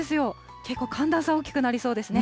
結構寒暖差、大きくなりそうですね。